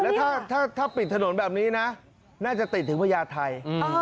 แล้วถ้าปิดถนนแบบนี้นะน่าจะติดถึงพญาไทย